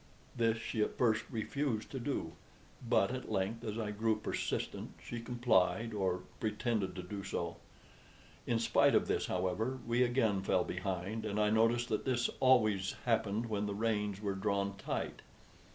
This she at first refused to do; but at length, as I grew persistent, she complied, or pretended to do so. In spite of this, however, we again fell behind, and I noticed that this always happened when the reins were drawn tight.